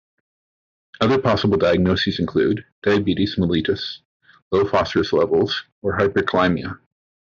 Other possible diagnoses include: diabetes mellitus, low phosphorus levels, or hyperkalaemia.